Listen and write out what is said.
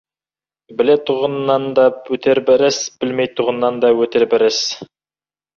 Білетұғыннан да өтер бір іс, білмейтұғыннан да өтер бір іс.